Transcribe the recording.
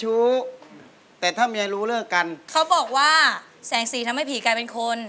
โอ้ไม่ได้หรอกเพราะเมื่อกี้ต้องพยุงไปดี